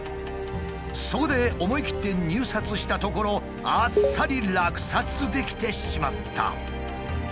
そこで思い切って入札したところあっさり落札できてしまった。